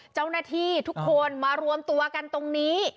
เจ้าหน้าที่ทุกคนมารวมตัวกันตรงนี้